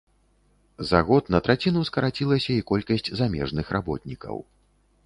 За год на траціну скарацілася і колькасць замежных работнікаў.